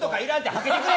はけてくれ！